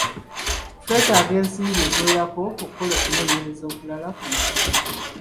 Twetaaga ensimbi eziwerako okukola okunoonyereza okulala ku musango.